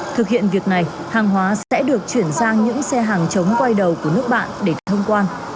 thực hiện việc này hàng hóa sẽ được chuyển sang những xe hàng chống quay đầu của nước bạn để thông quan